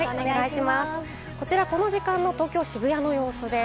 こちら、この時間の東京・渋谷の様子です。